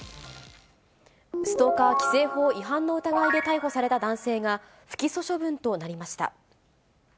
ストーカー規制法違反の疑いで逮捕された男性が、不起訴処分となりました。